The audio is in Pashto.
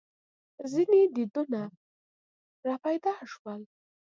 • ځینې دینونه راپیدا شول.